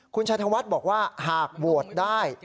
คุณชัยธวัฒน์บอกว่าหากโหวตได้